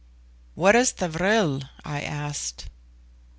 "What is the vril?" I asked.